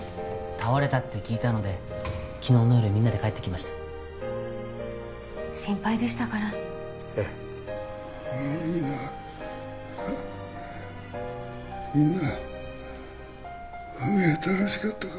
倒れたって聞いたので昨日の夜みんなで帰ってきました心配でしたからええ悪いなみんな海は楽しかったか？